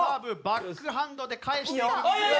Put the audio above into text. バックハンドで返していく水谷。